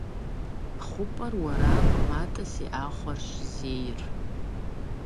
ХъупӀэр уэракъым, атӀэ си Ӏэхъуэрщ зейр.